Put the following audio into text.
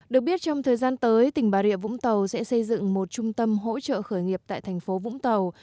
được biết trong thời gian tới tỉnh bà rịa vũng tàu sẽ xây dựng một trung tâm hỗ trợ khởi nghiệp tại thành phố vũng tàu